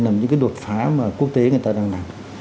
là những cái đột phá mà quốc tế người ta đang làm